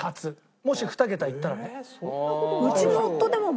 もし２桁いったらね。